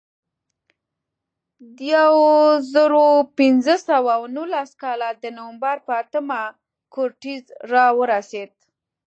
د یو زرو پینځه سوه نولس کال د نومبر په اتمه کورټز راورسېد.